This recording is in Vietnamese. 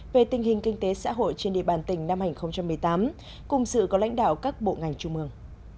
về tình hình kinh tế xã hội trên địa bàn tỉnh năm hai nghìn một mươi tám cùng sự có lãnh đạo các bộ ngành trung mương